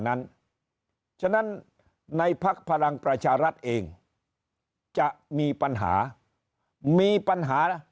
นั้นในพักพลังประชารัฐเองจะมีปัญหามีปัญหามีปัญหา